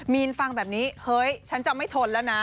มีนฟังแบบนี้เฮ้ยฉันจะไม่ทนแล้วนะ